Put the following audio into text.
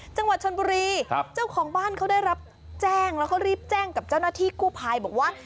จังหวัดชนบุรีครับเจ้าของบ้านเขาได้รับแจ้งแล้วก็รีบแจ้งกับเจ้าหน้าที่กู้ภัยบอกว่า